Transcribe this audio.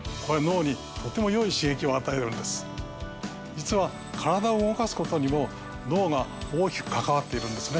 実は体を動かすことにも脳が大きく関わっているんですね。